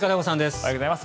おはようございます。